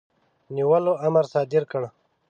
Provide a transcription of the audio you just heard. نیولو امر صادر کړ.